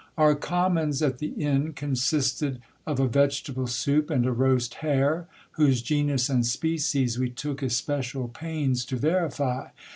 Our commons at the inn consisted of a vegetable soup and a roast hare, whose genus and species we took especial pains to verify.